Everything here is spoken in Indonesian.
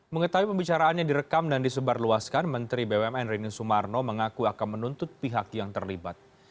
mengetahui pembicaraannya direkam dan disebarluaskan menteri bumn rini sumarno mengaku akan menuntut pihak yang terlibat